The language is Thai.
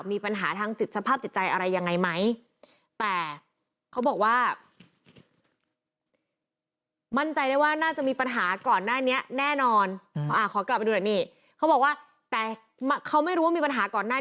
มีปัญหาทางจิตสภาพจิตใจอะไรยังไงไหมแต่เขาบอกว่า